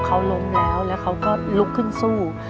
เขาล้มแล้วแล้วเขาก็ลุกขึ้นสู้